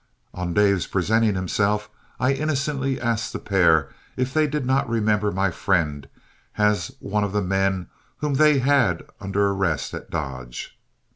On Dave's presenting himself, I innocently asked the pair if they did not remember my friend as one of the men whom they had under arrest at Dodge.